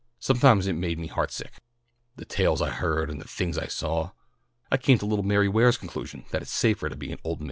Sometimes it made me heart sick, the tales I heard and the things I saw. I came to little Mary Ware's conclusion, that it's safah to be an old maid."